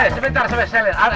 sebentar saya misalkan